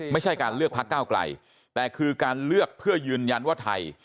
ไม่ใช่การเลือกพักเก้าไกลแต่คือการเลือกเพื่อยืนยันว่าไทย